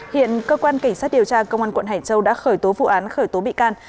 hiện cơ quan cảnh sát điều tra công an quận hải châu đã khởi tố vụ án khởi tố bị can